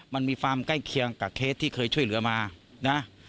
มันมีความใกล้เคียงกับเคสที่เคยช่วยเหลือมานะ